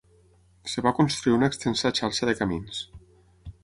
Es va construir una extensa xarxa de camins.